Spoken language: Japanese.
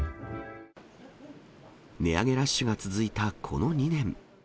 値上げラッシュが続いたこの２年。